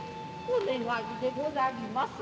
お願いでござります。